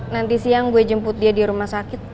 nanti siang gue jemput dia di rumah sakit